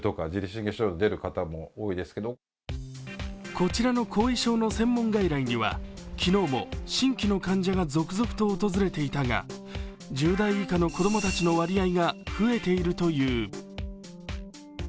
こちらの後遺症の専門外来には昨日も新規の患者が続々と訪れていたが、１０代以下の子供たちの割合が増えているという。